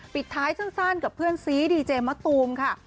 ปิดท้ายสั้นกับเพื่อนซีดีเจมะตูมค่ะ